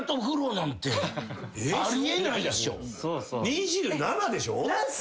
２７でしょ？